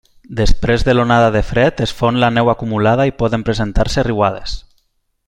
Després de l'onada de fred es fon la neu acumulada i poden presentar-se riuades.